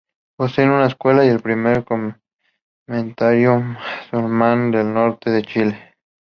Poseen una escuela y el primer cementerio musulmán del norte de Chile.